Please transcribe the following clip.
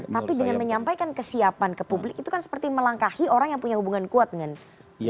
tapi dengan menyampaikan kesiapan ke publik itu kan seperti melangkahi orang yang punya hubungan kuat dengan masyarakat